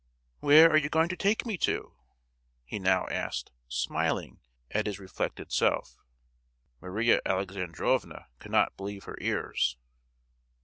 "Where are you going to take me to?" he now asked, smiling at his reflected self. Maria Alexandrovna could not believe her ears.